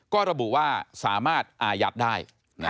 ก็ระบุว่าสามารถอายัดได้